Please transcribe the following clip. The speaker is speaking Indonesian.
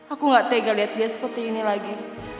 aku gak tega lihat dia seperti ini lagi